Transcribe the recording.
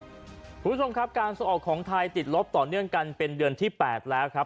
คุณผู้ชมครับการส่งออกของไทยติดลบต่อเนื่องกันเป็นเดือนที่๘แล้วครับ